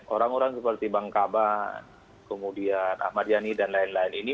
orang orang seperti bang kaban kemudian ahmad yani dan lain lain ini